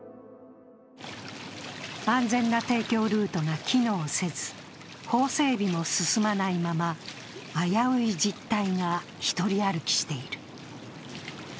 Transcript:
安全な提供ルートが機能せず、法整備も進まないまま、危うい実態が１人歩きしている。